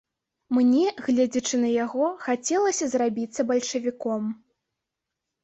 Мне, гледзячы на яго, хацелася зрабіцца бальшавіком.